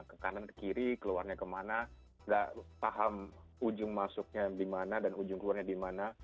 ke kanan ke kiri keluarnya kemana gak paham ujung masuknya dimana dan ujung keluarnya dimana